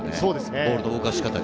ボールの動かし方が。